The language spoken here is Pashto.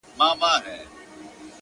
اوس هره شپه خوب کي بلا وينمه،